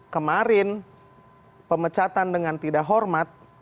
kemarin pemecatan dengan tidak hormat